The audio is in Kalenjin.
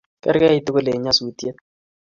Kerkei tugul eng nyasutiet